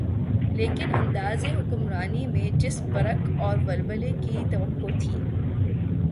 لیکن انداز حکمرانی میں جس برق اورولولے کی توقع تھی۔